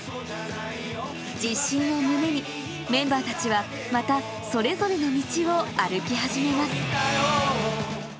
自信を胸に、メンバーたちはまた、それぞれの道を歩き始めます。